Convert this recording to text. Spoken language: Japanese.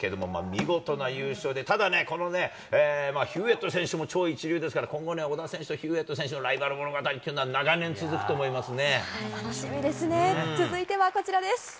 見事な優勝でただ、ヒュウェット選手も超一流ですから、今後、小田選手とヒュウェット選手のライバル物語は長年続くと思いますね。